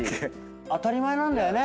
当たり前なんだよね。